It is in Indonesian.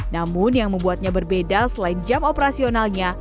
namun yang membuatnya berbeda selain jam operasionalnya